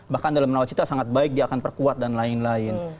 bahkan dalam nawacita sangat baik dia akan perkuat dan lain lain